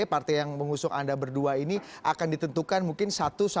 partai yang mengusung anda berdua ini akan ditentukan mungkin satu sampai dua hari ke depan ini ya